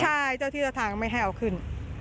ใช่เจ้าที่เจ้าทางไม่ให้เอาขึ้น